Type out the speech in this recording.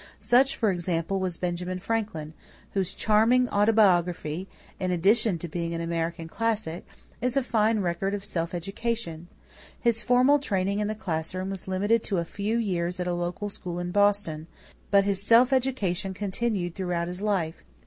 Such, for example, was Benjamin Franklin, whose charming autobiography, in addition to being an American classic, is a fine record of self education. His formal training in the classroom was limited to a few years at a local school in Boston; but his self education continued throughout his life.